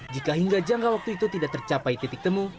jika hingga jangka waktu itu tidak tercapai titik temu